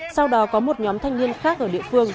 sau đó có một nhóm thanh niên khác ở địa phương